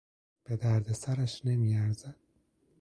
به دردسرش نمیارزد.